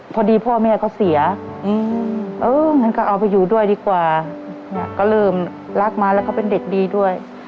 พ่อแม่เขาเสียเอองั้นก็เอาไปอยู่ด้วยดีกว่าก็เริ่มรักมาแล้วก็เป็นเด็กดีด้วย